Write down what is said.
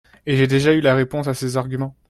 Et j’ai déjà eu la réponse à ces arguments.